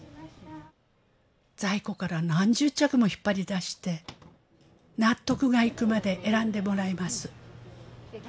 在庫から何十着も引っ張り出して納得がいくまで選んでもらいます。